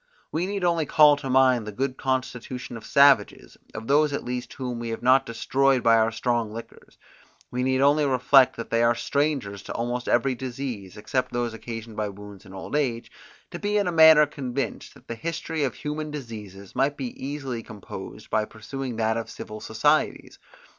We need only call to mind the good constitution of savages, of those at least whom we have not destroyed by our strong liquors; we need only reflect, that they are strangers to almost every disease, except those occasioned by wounds and old age, to be in a manner convinced that the history of human diseases might be easily composed by pursuing that of civil societies.